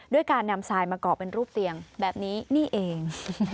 ด้วยการนำทรายมาเกาะเป็นรูปเตียงแบบนี้นี่เอง